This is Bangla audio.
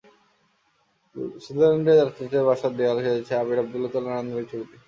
সুইজারল্যান্ডের রাষ্ট্রদূতের বাসার দেয়াল সেজেছে আবির আবদুল্লাহর তোলা নান্দনিক ছবি দিয়ে।